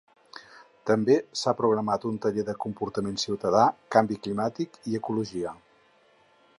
També s’ha programat un taller de comportament ciutadà, canvi climàtic i ecologia.